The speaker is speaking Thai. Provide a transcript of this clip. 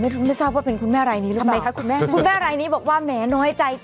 ไม่ทราบว่าเป็นคุณแม่รายนี้หรือเปล่าคะคุณแม่คุณแม่รายนี้บอกว่าแหมน้อยใจ